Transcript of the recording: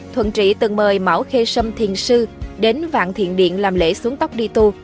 thuận trị từng mời mão khê sâm thiền sư đến vạn thiện điện làm lễ xuống tóc đi tour